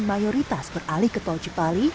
mayoritas beralih ke tol cipali